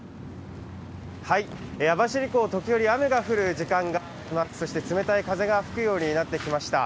網走港、時折雨が降る時間、そして冷たい風が吹くようになってきました。